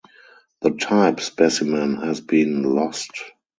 The type specimen has been lost.